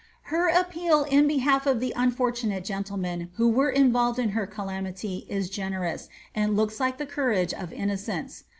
Her appeal in behalf of the unfortunate gentlemen who were involved in Iter calamity is generous, and looks like the courage of innocence.